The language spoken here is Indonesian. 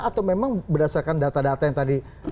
atau memang berdasarkan data data yang tadi